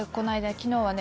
「昨日はね